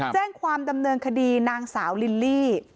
แจ้งความดำเนินคดีนางสาวลิลลี่